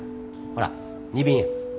ほら２便や。